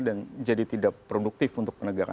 dan jadi tidak produktif untuk penegakan